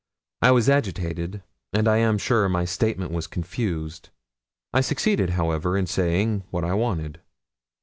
I was agitated, and I am sure my statement was confused. I succeeded, however, in saying what I wanted.